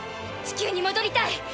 「地球にもどりたい。